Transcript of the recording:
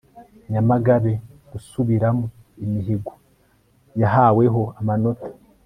Nyamagabe gusubiramo imihigo yahaweho amanota